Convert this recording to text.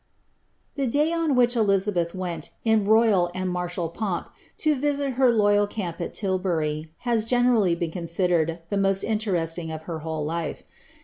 The day on which Elizabeth went, in royal and martial pomp, to visit her loyal camp at Tilbury, has generally been considered the most in teresting of lier whole life.